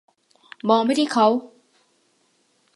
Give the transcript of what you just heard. มองไปที่เขา